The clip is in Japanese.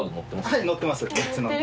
はい載ってます。